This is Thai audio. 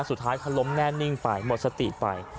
สุดท้ายเขาล้มแน่นิ่งไปหมดสติไป